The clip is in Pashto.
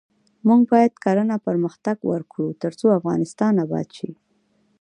موږ باید کرنه پرمختګ ورکړو ، ترڅو افغانستان اباد شي.